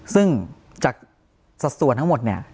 ซึ่งจากสัดส่วนทั้งหมดเนี่ย